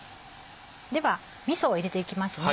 ではみそを入れていきますね